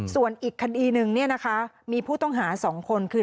ส่วนอีกคดีหนึ่งมีผู้ต้องหา๒คนคือ